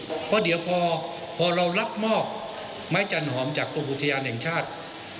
เพราะเดี๋ยวพอเรารับมอบไม้จันหอมจากกรมอุทยานแห่งชาติ